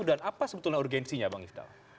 dan apa sebetulnya urgensinya bang ifdal